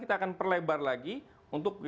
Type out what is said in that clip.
kita akan perlebar lagi untuk